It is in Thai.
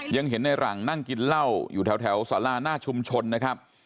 ยังเห็นในหลังนั่งกินเหล้าอยู่แถวสาราหน้าชุมชนนะครับ